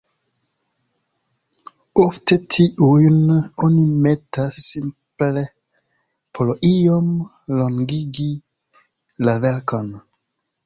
Ofte tiujn oni metas simple por iom longigi la verkon.